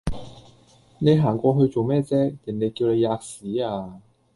你行過去做咩啫？人地叫你喫屎呀！